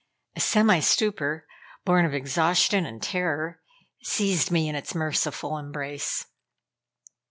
A semi stupor, born of exhaustion and terror, seized me in its merciful embrace.